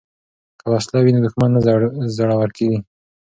که وسله وي نو دښمن نه زړور کیږي.